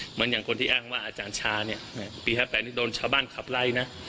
เหมือนอย่างคนที่อ้างว่าอาจารย์ชาเนี่ยปี๕๘นี่โดนชาวบ้านขับไล่นะ